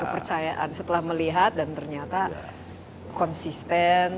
kepercayaan setelah melihat dan ternyata konsisten